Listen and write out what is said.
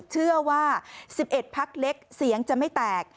เชื่อว่า๑๑พักเล็กเสียงจะไม่แตก